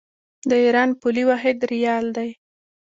د ایران پولي واحد ریال دی.